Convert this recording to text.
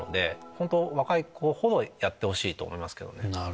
本当若い子ほどやってほしいと思いますけどね。